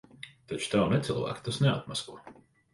Taču tavu necilvēku tas neatmasko.